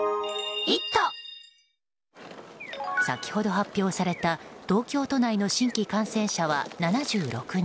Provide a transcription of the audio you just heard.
先ほど、発表された東京都内の新規感染者は７６人。